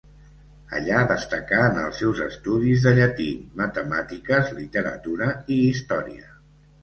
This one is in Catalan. Allà destacà en els seus estudis de llatí, matemàtiques, literatura i història.